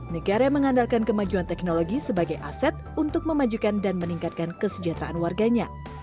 negara yang mengandalkan kemajuan teknologi sebagai aset untuk memajukan dan meningkatkan kesejahteraan warganya